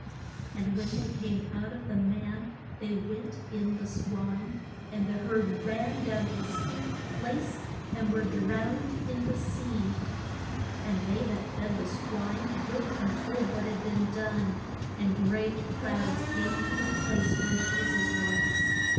And when they came out of the man they went in the swine, and the herd ran down a steep place and were drowned in the sea. And they that fed the swine went and told what had been done, and great crowds came to the place where Je sus was.